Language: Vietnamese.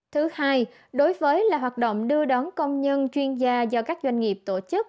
thứ hai đối với là hoạt động đưa đón công nhân chuyên gia do các doanh nghiệp tổ chức